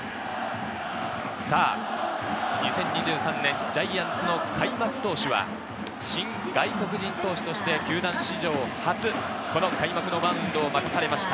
さぁ２０２３年、ジャイアンツの開幕投手は新外国人投手として球団史上初、この開幕マウンドを任されました